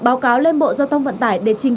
báo cáo lên bộ giao thông vận tải để trình